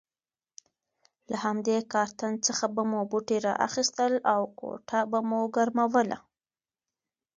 له همدې کارتن څخه به مو بوټي را اخیستل او کوټه به مو ګرموله.